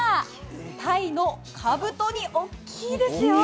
たいのかぶと煮、大きいですよ。